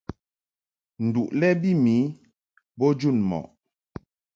Nduʼ lɛ bi mi bo jun mɔʼ.